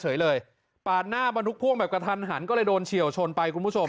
เฉยเลยปาดหน้าบรรทุกพ่วงแบบกระทันหันก็เลยโดนเฉียวชนไปคุณผู้ชม